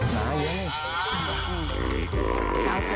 น่ามากเลย